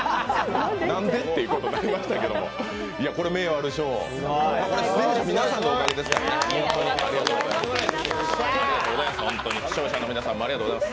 何で？っていうことになりましたけどもこれ、名誉ある賞出演者皆さんのおかげですからありがとうございます。